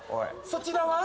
そちらは？